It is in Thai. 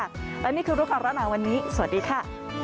และนี่คือรุกของเราในวันนี้สวัสดีค่ะ